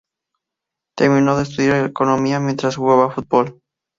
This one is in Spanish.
Terminó de estudiar economía mientras jugaba al fútbol.